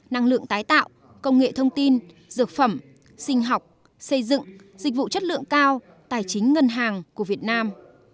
năng lượng tái tạo công nghệ thông tin dược phẩm sinh học xây dựng dịch vụ chất lượng cao tài chính ngân hàng của việt nam